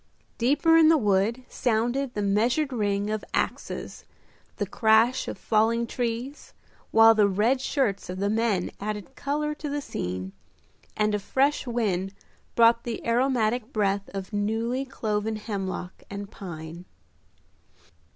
Deeper in the wood sounded the measured ring of axes, the crash of falling trees, while the red shirts of the men added color to the scene, and a fresh wind brought the aromatic breath of newly cloven hemlock and pine.